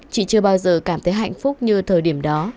chị chưa bao giờ cảm thấy hạnh phúc như thời điểm đó